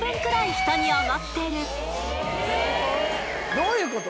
どういうこと？